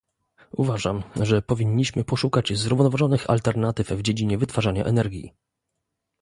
Uważam, że powinniśmy poszukać zrównoważonych alternatyw w dziedzinie wytwarzania energii